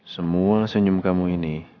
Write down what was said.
semua senyum kamu ini